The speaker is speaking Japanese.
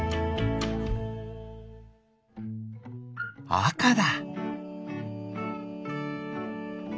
あかだ！